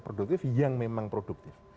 produktif yang memang produktif